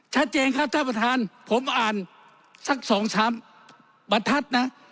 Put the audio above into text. ชัดเจนครับท่านประธานผมอ่านสัก๒๓บรรทัศน์นะ